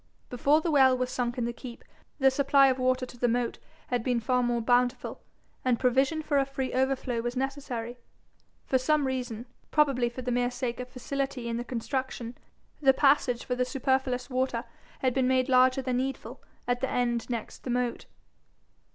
Before the well was sunk in the keep, the supply of water to the moat had been far more bountiful, and provision for a free overflow was necessary. For some reason, probably for the mere sake of facility in the construction, the passage for the superfluous water had been made larger than needful at the end next the moat.